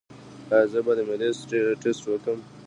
ایا زه باید د معدې ټسټ وکړم؟